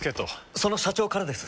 その社長からです。